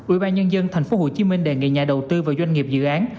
ubnd tp hcm đề nghị nhà đầu tư và doanh nghiệp dự án